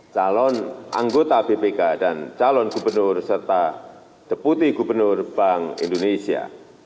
calon anggota bpk dan calon gubernur serta deputi gubernur bank indonesia